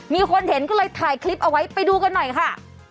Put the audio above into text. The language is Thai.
มีคนเห็นก็เลยถ่ายคลิปเอาไว้ไปดูกันหน่อยค่ะ